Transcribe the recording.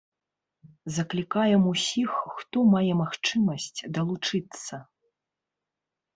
Заклікаем усіх, хто мае магчымасць, далучыцца.